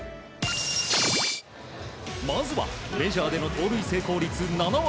まずは、メジャーでの盗塁成功率７割。